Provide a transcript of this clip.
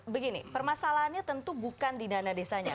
begini permasalahannya tentu bukan di dana desanya